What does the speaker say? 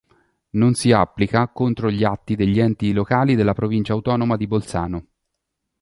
Non si applica contro gli atti degli enti locali della provincia autonoma di Bolzano.